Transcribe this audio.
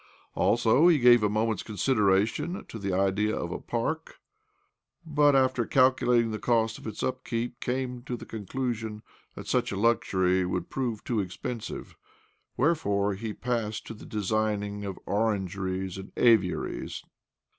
Also, he gave a moment's consideration to the idea of a park, but, after calculating the cost of its upkeep, came to the conclusion that such a luxury would prove too expensive— wherefore he passed to the designing of orangeries and aviaries.